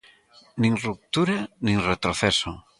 Nin ruptura nin retroceso.